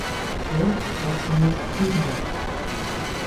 Craig war zunächst Hürdenläufer.